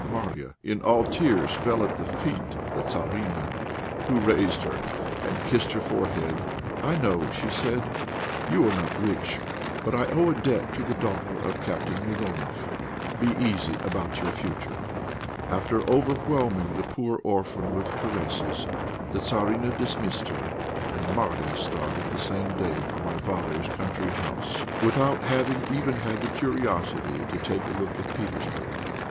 Marya, all in tears, fell at the feet of the Tzarina, who raised her, and kissed her forehead. "I know," said she, "you are not rich, but I owe a debt to the daughter of Captain Mironoff. Be easy about your future." After overwhelming the poor orphan with caresses, the Tzarina dismissed her, and Marya started the same day for my father's country house, without having even had the curiosity to take a look at Petersburg.